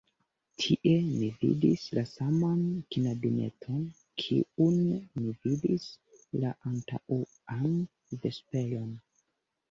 Tie mi vidis la saman knabineton, kiun mi vidis la antaŭan vesperon.